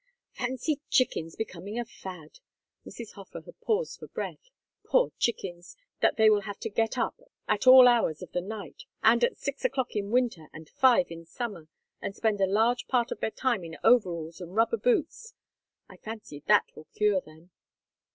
"Fancy chickens becoming a fad!" Mrs. Hofer had paused for breath. "Poor chickens! Tell your friends that they will have to get up at all hours of the night, and at six o'clock in winter, and five in summer, and spend a large part of their time in overalls and rubber boots. I fancy that will cure them."